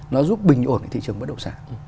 nó giúp bình ổn thị trường bất động sản